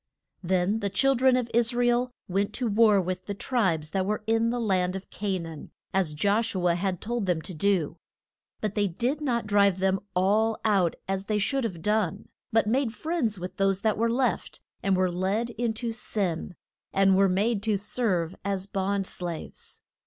Then the chil dren of Is ra el went to war with the tribes that were in the land of Ca naan, as Josh u a had told them to do. But they did not drive them all out, as they should have done, but made friends with those that were left, and were led in to sin, and were made to serve as bond slaves.